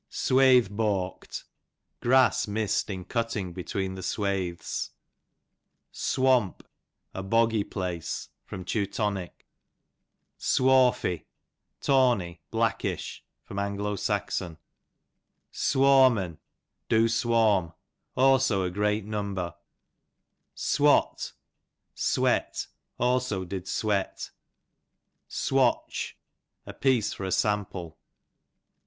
Swathe bawkt, grass miss'd in cut ting between the swathes. Swamp, a boggy place. Teu. Swarffy, tawny, blackish. A. S. Swarm'n, do swarm ; also a great number. Swat, sweat; also did sweat. Swatch, a piece for a sample.